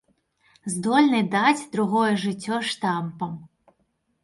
Здольны даць другое жыццё штампам.